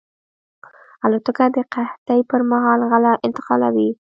الوتکه د قحطۍ پر مهال غله انتقالوي.